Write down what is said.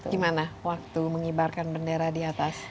gimana waktu mengibarkan bendera di atas